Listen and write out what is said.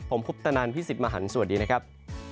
ผมคุปตนันพี่สิทธิ์มหันฯสวัสดีนะครับ